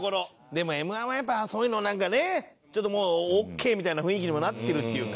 でもＭ−１はやっぱそういうのなんかねちょっともうオッケーみたいな雰囲気にもなってるっていうか。